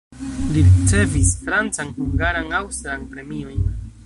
Li ricevis francan, hungaran, aŭstran premiojn.